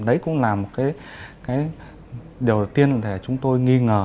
đấy cũng là điều đầu tiên để chúng tôi nghi ngờ